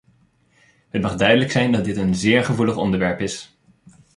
Het mag duidelijk zijn dat dit een zeer gevoelig onderwerp is.